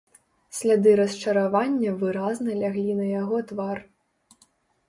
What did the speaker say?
Сляды расчаравання выразна ляглі на яго твар.